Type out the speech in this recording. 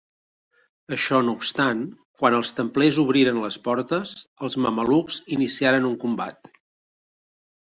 Això no obstant, quan els templers obriren les portes, els mamelucs iniciaren un combat.